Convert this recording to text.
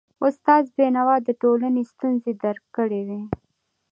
استاد بينوا د ټولنې ستونزي درک کړی وي.